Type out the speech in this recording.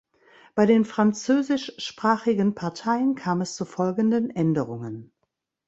Bei den französischsprachigen Parteien kam es zu folgenden Änderungen.